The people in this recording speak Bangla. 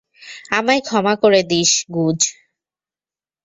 আমায় ক্ষমা করে দিস, গুজ।